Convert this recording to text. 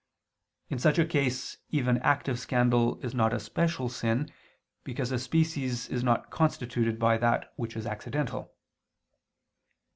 In such a case even active scandal is not a special sin, because a species is not constituted by that which is accidental.